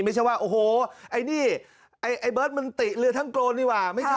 ไม่ใช่ว่าโอ้โฮไอ้เบิร์ตมันติเหลือทั้งโกรธดีกว่า